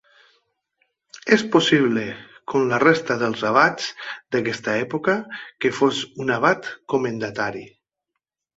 És possible, com la resta dels abats d'aquesta època, que fos un abat comendatari.